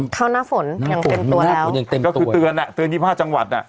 เข้าหน้าฝนอย่างเต็มตัวแล้วเดิร์นยี่ห้าจังหวัด